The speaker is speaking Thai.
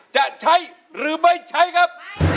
จะใช้หรือไม่ใช้ครับ